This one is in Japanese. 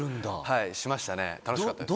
はいしましたね楽しかったです。